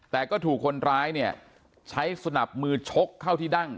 แต่ก็ถูกคนร้ายเนี่ยใช้สนับมือชกเข้าที่ดั้ง